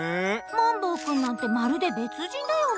マンボウ君なんてまるで別人だよねえ。